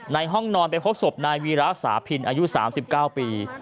ห้องนอนไปพบศพนายวีระสาพินอายุ๓๙ปี